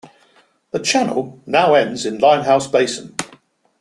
The channel now ends in Limehouse Basin.